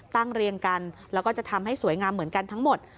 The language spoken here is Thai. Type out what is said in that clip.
เรียงกันแล้วก็จะทำให้สวยงามเหมือนกันทั้งหมด